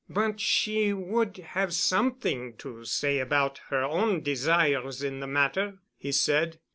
"But she would have something to say about her own desires in the matter," he said.